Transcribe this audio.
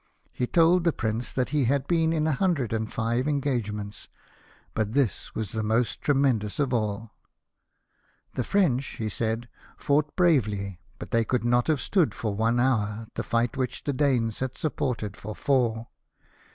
He told the Prince that he had been in a hundred and five engagements, but this was the most tremendous of all. " The French," he said, " fought bravely ; but they could not have stood for one hour BATTLE OF COPENHAGEN. 245 the fight which the Danes had supported for four."